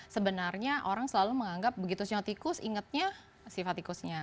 sebenarnya orang selalu menganggap begitu siotikus ingatnya sifat tikusnya